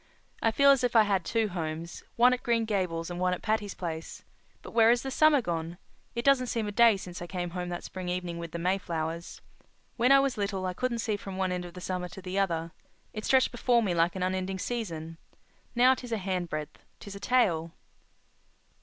I feel as if I had two homes—one at Green Gables and one at Patty's Place. But where has the summer gone? It doesn't seem a day since I came home that spring evening with the Mayflowers. When I was little I couldn't see from one end of the summer to the other. It stretched before me like an unending season. Now, ''tis a handbreadth, 'tis a tale.